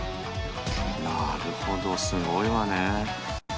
なるほどすごいわねえ。